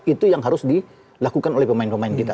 itu yang harus dilakukan oleh pemain pemain kita